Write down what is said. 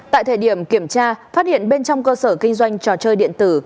tại thời điểm kiểm tra phát hiện bên trong cơ sở kinh doanh trò chơi điện tử